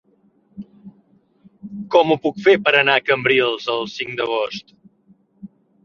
Com ho puc fer per anar a Cambrils el cinc d'agost?